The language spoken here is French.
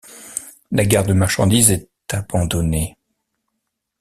La gare de marchandises est abandonnée.